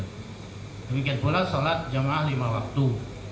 demikian pula sholat jamaah lima waktu